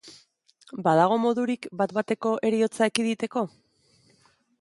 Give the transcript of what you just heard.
Badago modurik bat-bateko heriotza ekiditeko?